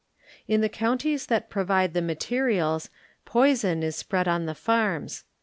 In the counties that provide the ma terials, poison is spread on the farms.